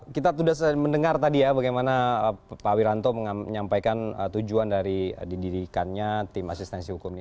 kita sudah mendengar tadi ya bagaimana pak wiranto menyampaikan tujuan dari didirikannya tim asistensi hukum ini